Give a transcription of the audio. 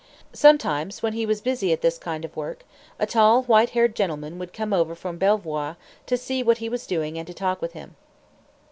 Sometimes when he was busy at this kind of work, a tall, white haired gentleman would come over from Belvoir to see what he was doing and to talk with him.